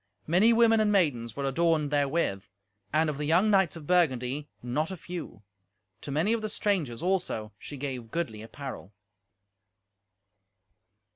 Many women and maidens were adorned therewith, and, of the young knights of Burgundy, not a few. To many of the strangers, also, she gave goodly apparel.